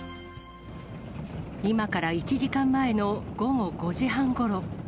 今から１時間前の午後５時半ごろ。